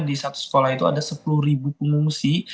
di satu sekolah itu ada sepuluh pengungsi